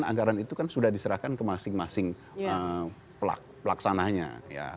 anggaran itu kan sudah diserahkan ke masing masing pelaksananya ya